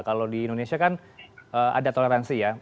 kalau di indonesia kan ada toleransi ya